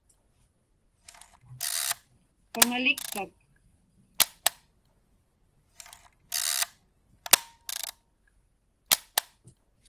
Paŋalikpak?